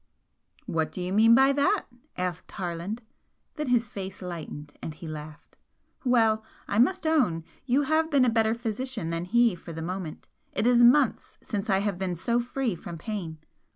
"What do you mean by that?" asked Harland then his face lightened and he laughed "Well, I must own you have been a better physician than he for the moment it is months since I have been so free from pain."